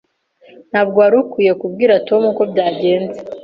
Ntabwo wari ukwiye kubwira Tom uko byagenze.